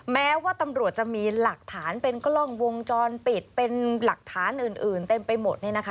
แม้ว่าตำรวจจะมีหลักฐานเป็นกล้องวงจรปิดเป็นหลักฐานอื่นเต็มไปหมดเนี่ยนะคะ